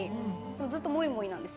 ずっともいもいなんです。